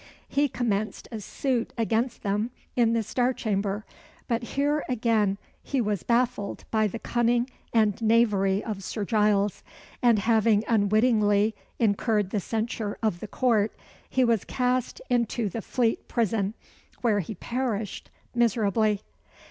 He commenced a suit against them in the Star Chamber, but here again he was baffled by the cunning and knavery of Sir Giles, and having unwittingly incurred the censure of the Court, he was cast into the Fleet Prison, where he perished miserably."